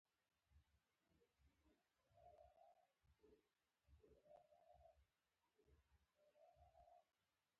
د لومړني په شان عمل وکړئ.